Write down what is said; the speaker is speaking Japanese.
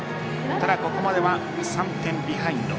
ただ、ここまでは３点ビハインド。